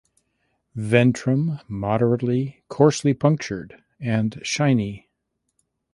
Ventrum moderately coarsely punctured and shiny.